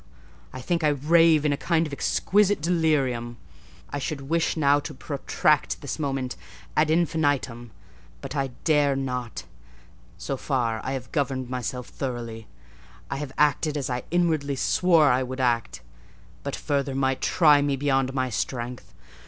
I think I rave in a kind of exquisite delirium. I should wish now to protract this moment ad infinitum; but I dare not. So far I have governed myself thoroughly. I have acted as I inwardly swore I would act; but further might try me beyond my strength.